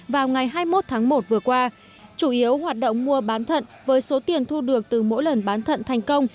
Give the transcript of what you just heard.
vào ngày hai mươi một tháng một vừa qua chủ yếu hoạt động mua bán thận với số tiền thu được từ mỗi lần bán thận thành công